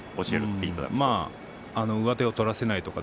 上手を取らせないのか。